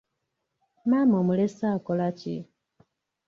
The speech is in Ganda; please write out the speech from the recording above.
Maama omulese akola ki?